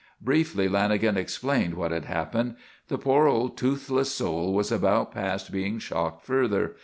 Briefly Lanagan explained what had happened. The poor old toothless soul was about past being shocked further.